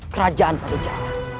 kerajaan pada jawa